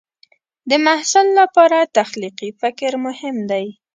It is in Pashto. د محصل لپاره تخلیقي فکر مهم دی.